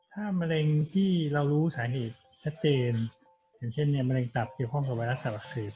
ถ้ามะเร็งที่เรารู้สาเหตุชัดเจนอย่างเช่นเนี่ยมะเร็งตับเกี่ยวข้องกับไวรัสตับอักเสบ